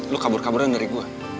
lo kabur kaburan dari gua